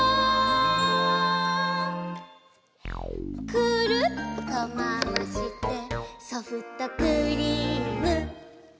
「くるっとまわしてソフトクリーム」